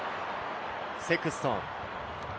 セクストン。